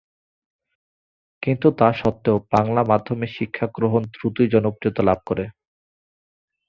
কিন্তু তা সত্ত্বেও বাঙলা মাধ্যমে শিক্ষা গ্রহণ দ্রুতই জনপ্রিয়তা লাভ করে।